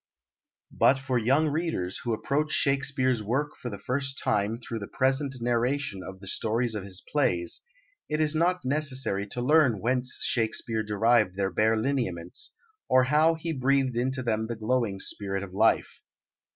But for young readers, who approach Shakespeare's work for the first time through the present narration of the stories of his plays, it is not necessary to learn whence Shakespeare derived their bare lineaments, or how he breathed into them the glowing spirit of life.